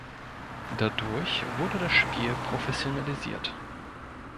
Dadurch wurde das Spiel professionalisiert.